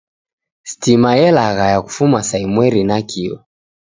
Stima yalaghaya kufuma saa imweri nakio